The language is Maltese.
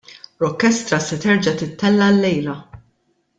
Rockestra se terġa' tittella' llejla.